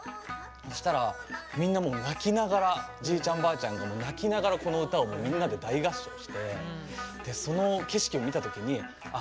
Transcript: そしたらみんな泣きながらじいちゃんばあちゃんが泣きながらこの歌をみんなで大合唱してその景色を見た時にああ